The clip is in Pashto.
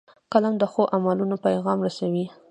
قلم د ښو عملونو پیغام رسوي